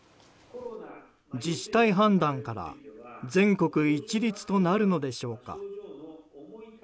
自治体判断から全国一律となるのでしょうか。